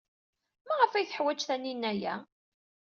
Maɣef ay teḥwaj Taninna aya?